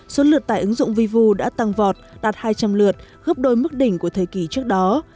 số lượt tải ứng dụng vivu đã tăng vọt đạt hai trăm linh lượt gấp đôi mức đỉnh của thời kỳ trước đó